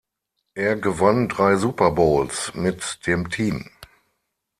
Er gewann drei Super Bowls mit dem Team.